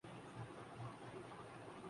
اگلے سال کی ابتدا میں تجویز پر رائے دے گی